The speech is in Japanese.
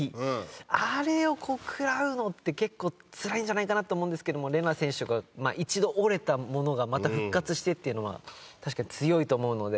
あれを食らうのって結構つらいんじゃないかと思うけどＲＥＮＡ選手が一度折れたものがまた復活してっていうのは確かに強いと思うので。